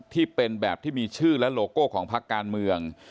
ที่เป็นแบบที่มีชื่อและโลโก้ของพักการเมือง